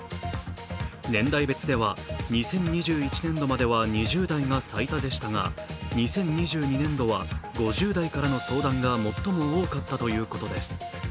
年代別では２０２１年度までは２０代が最多でしたが２０２２年度は５０代からの相談が最も多かったということです。